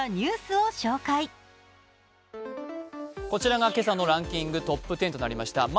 こちらが今朝のランキングトップ１０となりました。